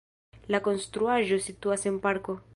La konstruaĵo situas en parko.